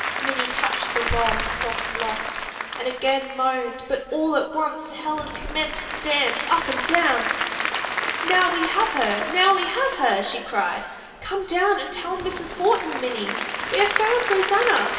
Minnie touched the long, soft locks and again moaned but all at once Helen commenced to dance up and down. "Now we have her, now we have her!" she cried. "Come down and tell Mrs. Horton, Minnie! We have found Rosanna!